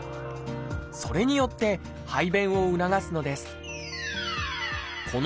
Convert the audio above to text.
それによって排便を促すのです。